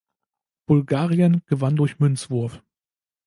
Bulgarien gewann durch Münzwurf.